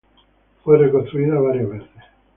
Fue reconstruida varias veces.